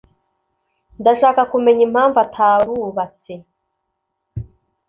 Ndashaka kumenya impamvu atarubatse.